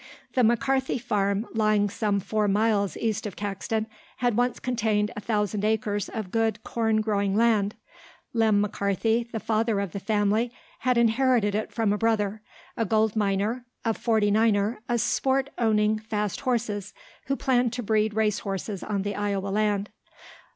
The McCarthy farm, lying some four miles east of Caxton, had once contained a thousand acres of good corn growing land. Lem McCarthy, the father of the family, had inherited it from a brother, a gold miner, a forty niner, a sport owning fast horses, who planned to breed race horses on the Iowa land.